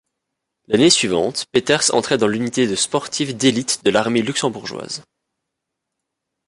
L'année suivante Peters entrait dans l'unité de sportifs d'élite de l'armée luxembourgeoise.